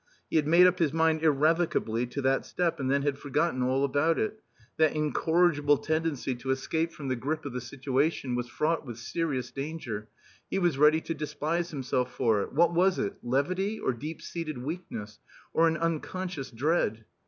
He had made up his mind irrevocably to that step and then had forgotten all about it. That incorrigible tendency to escape from the grip of the situation was fraught with serious danger. He was ready to despise himself for it. What was it? Levity, or deep seated weakness? Or an unconscious dread?